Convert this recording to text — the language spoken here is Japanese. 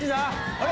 あれ？